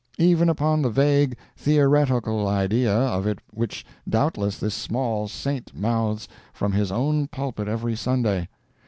—even upon the vague, theoretical idea of it which doubtless this small saint mouths from his own pulpit every Sunday.